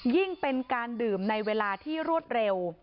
ยิ่งเป็นการดื่มในเวลาที่รวดเร็ว